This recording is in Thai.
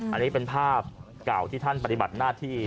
อันนี้เป็นภาพเก่าที่ท่านปฏิบัติหน้าที่